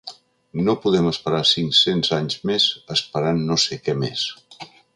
No podem esperar cinc-cents anys més esperant no sé què més.